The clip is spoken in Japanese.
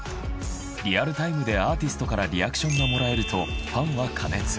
リアルタイムでアーティストからリアクションがもらえるとファンは過熱。